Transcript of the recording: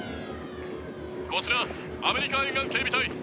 こちらアメリカ沿岸警備隊。